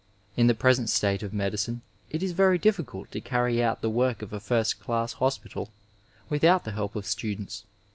In the present state of medicine it is very difficult to carry on the work of a first dasB hospital without the help of students.